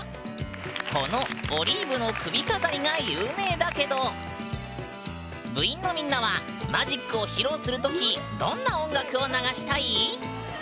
この「オリーブの首飾り」が有名だけど部員のみんなはマジックを披露するときどんな音楽を流したい？